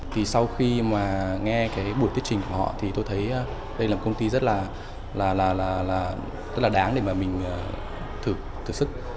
thì sau khi mà nghe cái buổi thuyết trình của họ thì tôi thấy đây là một công ty rất là đáng để mà mình thử thực sức